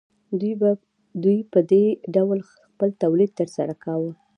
دوی په دې ډول خپل تولید ترسره کاوه